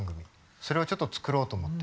それをちょっと作ろうと思って。